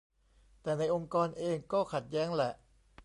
แต่ในองค์กรเองก็ขัดแย้งแหละ